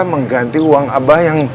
mengganti uang abah yang